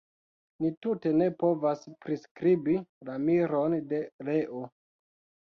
Ni tute ne povas priskribi la miron de Leo.